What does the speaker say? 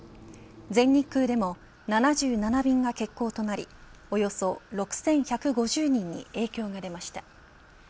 全日空でも７７便が欠航となりおよそ６１５０人に影響が出ました。